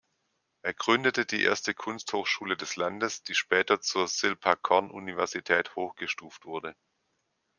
Er gründete die erste Kunsthochschule des Landes, die später zur Silpakorn-Universität hochgestuft wurde.